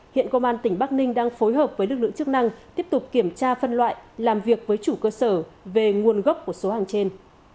hiện công an tỉnh bắc ninh đang phối hợp với lực lượng chức năng tiếp tục kiểm tra phân loại làm việc với chủ cơ sở về nguồn gốc của số hàng trên